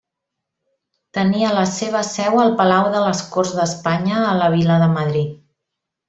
Tenia la seva seu al Palau de les Corts d'Espanya a la vila de Madrid.